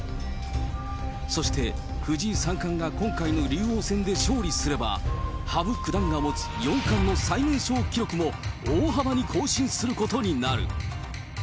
そして、藤井三冠が今回の竜王戦で勝利すれば、羽生九段が持つ四冠の最年少記録も、大幅に更新することになる。